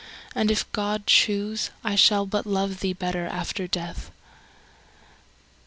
and, if God choose, I shall but love thee better after death.